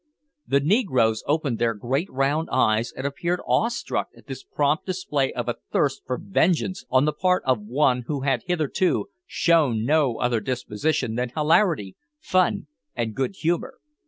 The negroes opened their great round eyes, and appeared awe struck at this prompt display of a thirst for vengeance on the part of one who had hitherto shown no other disposition than hilarity, fun, and good humour.